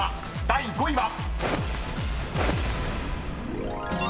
［第４位は］